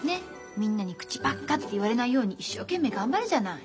みんなに口ばっかって言われないように一生懸命頑張るじゃない。